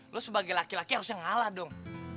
lo sebagai laki laki harusnya ngalah dong